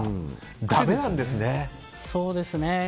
だめなんですね。